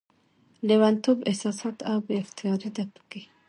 لېونتوب، احساسات او بې اختياري ده پکې